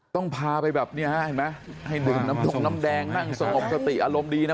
ต้องพาไปแบบนี้ฮะเห็นไหมให้ดื่มน้ำดงน้ำแดงนั่งสงบสติอารมณ์ดีนะ